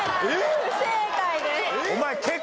不正解です。